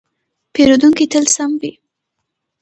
پیرودونکی تل سم وي.